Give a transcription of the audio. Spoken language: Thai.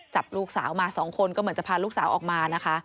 จับลูกสาวมาสองคนก็เหมือนจะพาลูกสาวออกมานะคะ